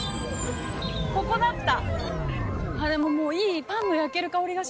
ここだった。